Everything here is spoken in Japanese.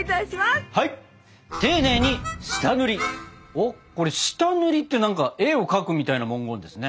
おっ下塗りって何か絵を描くみたいな文言ですね。